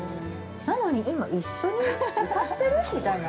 なのに、今一緒に歌ってる？みたいな。